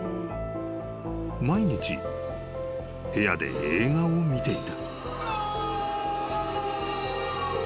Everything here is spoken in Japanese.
［毎日部屋で映画を見ていた］